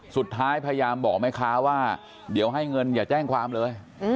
สุดท้ายพยายามบอกแม่ค้าว่าเดี๋ยวให้เงินอย่าแจ้งความเลย